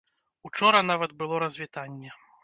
Учора нават было развітанне.